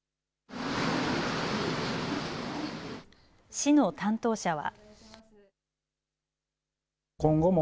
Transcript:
市の担当者は。